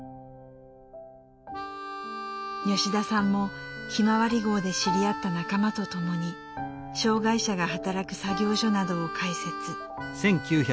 吉田さんもひまわり号で知り合った仲間とともに障害者が働く作業所などを開設。